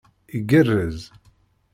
Igerrez!